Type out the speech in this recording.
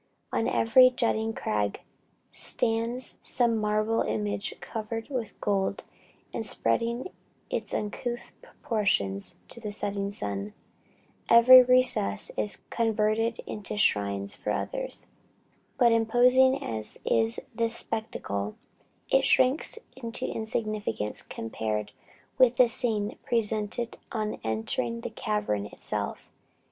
"On every jutting crag stands some marble image covered with gold, and spreading its uncouth proportions to the setting sun. Every recess is converted into shrines for others. But imposing as is this spectacle, it shrinks into insignificance compared with the scene presented on entering the cavern itself.